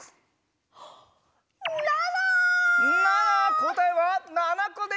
こたえは７こでした！